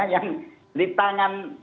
yang dari tangan